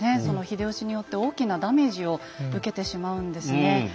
その秀吉によって大きなダメージを受けてしまうんですね。